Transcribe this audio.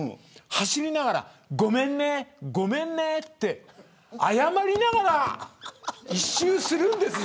走りながらごめんね、ごめんねって謝りながら一周するんです。